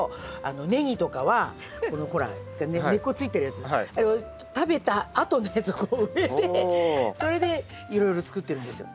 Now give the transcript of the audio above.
ネギとかはこのほら根っこついてるやつあれを食べたあとのやつをこう植えてそれでいろいろ作ってるんですよ。